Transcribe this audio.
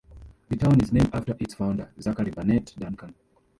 The town is named after its founder, Zachary Barnett Duncan.